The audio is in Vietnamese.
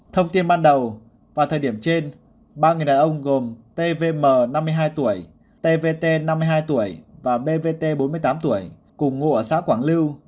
thông tin ban đầu vào thời điểm trên ba người đàn ông gồm tvm năm mươi hai tuổi tvt năm mươi hai tuổi và bvt bốn mươi tám tuổi cùng ngụ ở xã quảng lưu